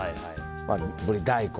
ブリ大根。